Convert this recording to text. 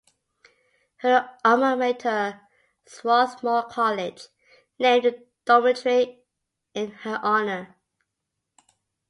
Her alma mater, Swarthmore College, named a dormitory in her honor.